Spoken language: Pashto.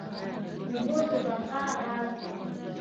اوبه د بقا راز دي